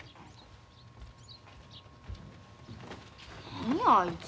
何やあいつ。